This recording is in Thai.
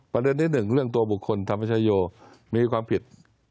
ประเด็นที่หนึ่งเรื่องตัวบุคคลธรรมชายโยมีความผิด